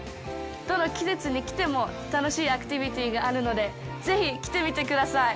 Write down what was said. どの季節に来ても楽しいアクティビティがあるのでぜひ来てみてください。